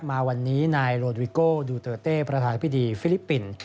มาวันนี้นายโลดริโก้ดูเตอร์เต้ประธานพิธีฟิลิปปินส์